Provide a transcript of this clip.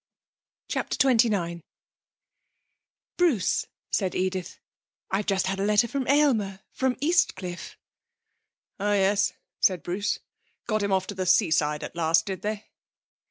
CHAPTER XXIX 'Bruce, said Edith, 'I've just had a letter from Aylmer, from Eastcliff.' 'Oh yes,' said Bruce. 'Got him off to the seaside at last, did they?'